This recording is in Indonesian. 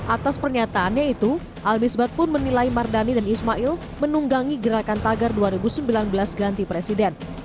atas pernyataannya itu al misbad pun menilai mardhani dan ismail menunggangi gerakan tagar dua ribu sembilan belas ganti presiden